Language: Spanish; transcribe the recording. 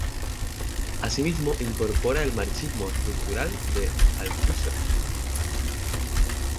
Asimismo incorpora el marxismo estructural de Althusser.